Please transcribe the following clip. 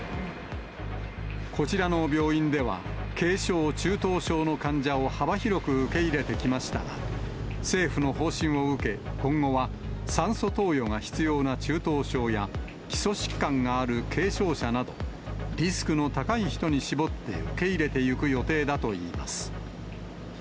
こちらの病院では、軽症・中等症の患者を幅広く受け入れてきましたが、政府の方針を受け、今後は酸素投与が必要な中等症や、基礎疾患がある軽症者など、リスクの高い人に絞って受け入れていく予定だといいます。